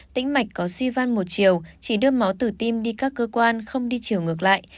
tĩnh mạch có suy van một chiều chỉ đưa máu từ tim đi các cơ quan không đi chiều ngược lại